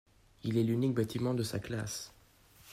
Il est l'unique bâtiment de sa classe.